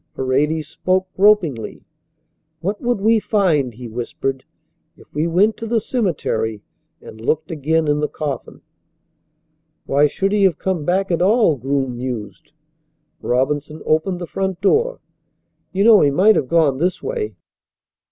Paredes spoke gropingly. "What would we find," he whispered, "if we went to the cemetery and looked again in the coffin?" "Why should he have come back at all?" Groom mused. Robinson opened the front door. "You know he might have gone this way."